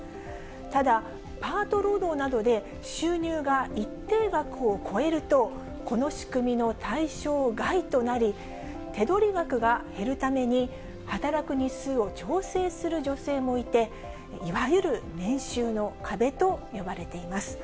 ただ、パート労働などで収入が一定額を超えると、この仕組みの対象外となり、手取り額が減るために、働く日数を調整する女性もいて、いわゆる年収の壁と呼ばれています。